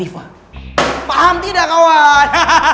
kita harus bersyukur